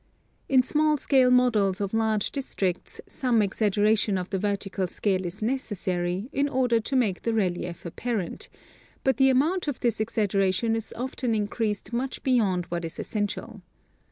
In small scale models of large districts some exaggeration of the vertical scale is necessary in order to make the relief appar ent, but the amount of this exaggeration is often increased much beyond what is essential.